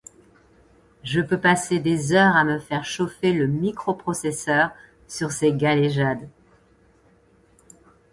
Je peux passer des heures à me faire chauffer le microprocesseur sur ces galéjades.